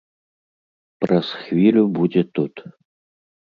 Праз хвілю будзе тут!